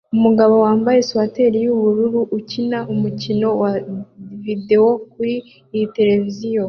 Umugabo wambaye swater yubururu ukina imikino ya videwo kuri iyi tereviziyo